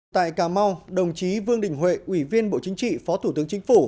tại cà mau đồng chí vương đình huệ ủy viên bộ chính trị phó thủ tướng chính phủ